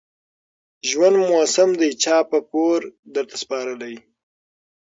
ژوند موسم دى چا په پور درته سپارلى